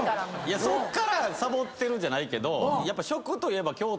そっからサボってるじゃないけどやっぱ。